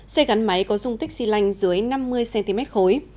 xe gắn máy có dung tích xy lanh dưới năm mươi cm khối